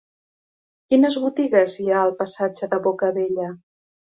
Quines botigues hi ha al passatge de Bocabella?